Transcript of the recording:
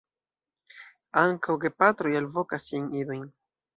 Ankaŭ gepatroj alvokas siajn idojn.